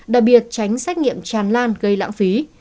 đặc biệt tránh xét nghiệm tràn lan gây lãng phí